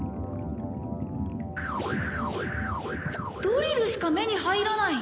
ドリルしか目に入らない！